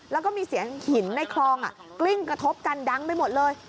แล้วก็มีเสียงหินในคลองกลิ้งกระทบกันดังไปหมดเลย